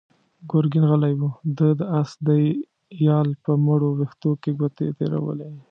ګرګين غلی و، ده د آس د يال په مړو وېښتو کې ګوتې تېرولې.